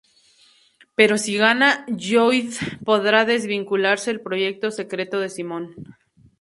Pero si gana Lloyd podrá desvincularse del proyecto secreto de Simon.